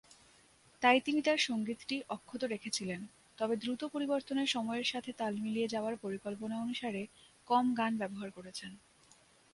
তাই তিনি তার সংগীতটি অক্ষত রেখেছিলেন, তবে দ্রুত পরিবর্তনের সময়ের সাথে তাল মিলিয়ে যাওয়ার পরিকল্পনা অনুসারে কম গান ব্যবহার করেছেন।